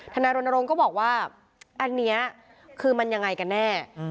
ธนารณรมก็บอกว่าอันเนี้ยคือมันอย่างไรกันแน่